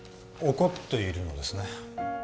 怒っているのですね